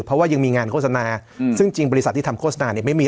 เพราะว่ายังมีงานโฆษณาซึ่งจริงบริษัทที่ทำโฆษณาเนี่ยไม่มี